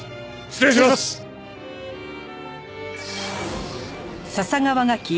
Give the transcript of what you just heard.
失礼します。